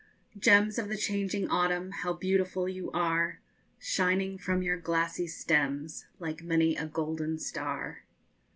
Gems of the changing autumn, how beautiful you are, _Shining from your glassy stems, like many a golden star.